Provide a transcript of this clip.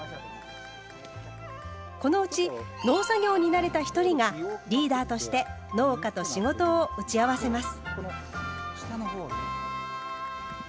このうち農作業に慣れた１人がリーダーとして農家と仕事を打ち合わせます。